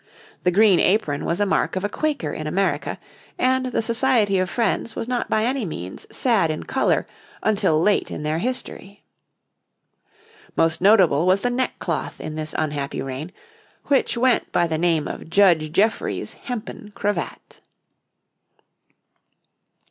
The green apron was a mark of a Quaker in America, and the Society of Friends was not by any means sad in colour until late in their history. Most notable was the neckcloth in this unhappy reign, which went by the name of Judge Jeffreys' hempen cravat.